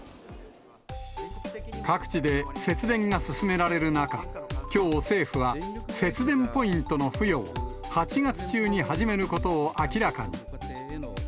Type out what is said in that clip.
各地で節電が進められる中、きょう政府は、節電ポイントの付与を８月中に始めることを明らかに。